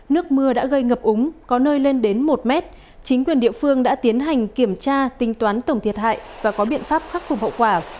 nước mưa đã gây ngập úng có nơi lên đến một mét chính quyền địa phương đã tiến hành kiểm tra tính toán tổng thiệt hại và có biện pháp khắc phục hậu quả